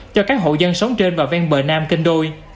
cho các hộ dân sống trên và ven bờ nam kênh đôi